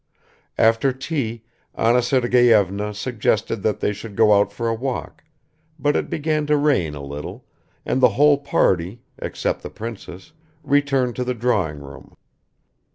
After tea Anna Sergeyevna suggested that they should go out for a walk, but it began to rain a little, and the whole party, except the princess, returned to the drawing room.